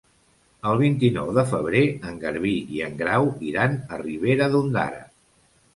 El vint-i-nou de febrer en Garbí i en Grau iran a Ribera d'Ondara.